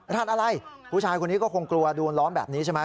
ท่านอะไรผู้ชายคนนี้ก็คงกลัวโดนล้อมแบบนี้ใช่ไหม